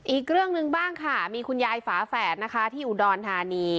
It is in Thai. อีกเรื่องหนึ่งบ้างค่ะมีคุณยายฝาแฝดนะคะที่อุดรธานี